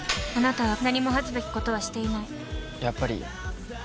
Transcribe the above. あなたは何も恥ずべきことはしていない。